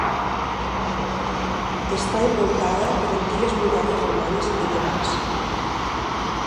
Està envoltada per antigues muralles romanes i medievals.